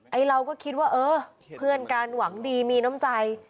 เราก็คิดว่าเออเพื่อนกันหวังดีมีน้ำใจ